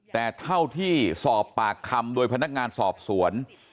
แต่เท่าที่สอบปากคำโดยพนักงานสอบสวน